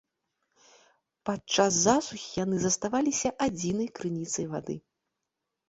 Падчас засухі яны заставаліся адзінай крыніцай вады.